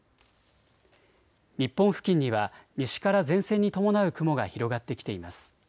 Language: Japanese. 日本付近には西から前線に伴う雲が広がってきています。